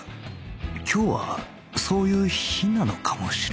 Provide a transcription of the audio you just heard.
今日はそういう日なのかもしれない